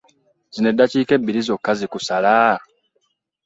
Zino eddakiika ebbiri zokka zikusala?